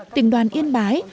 tỉnh đoàn yên bái